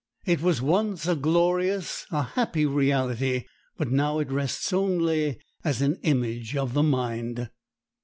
It was once a glorious, a happy reality; but now it rests only as an image of the mind."